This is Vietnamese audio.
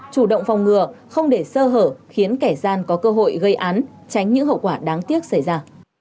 chủ động phòng ngừa không để sơ hở khiến kẻ gian có cơ hội gây án tránh những hậu quả đáng tiếc xảy ra